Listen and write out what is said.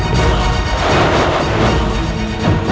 kau lari kemana kamu sancau